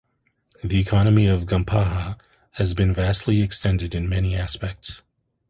The economy of Gampaha has been vastly extended in many aspects.